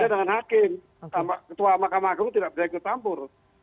tapi ketua mahkamah agung tidak boleh ikut campur